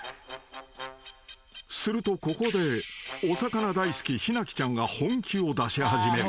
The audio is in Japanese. ［するとここでお魚大好きひなきちゃんが本気を出し始める］